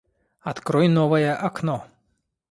Открой новое окно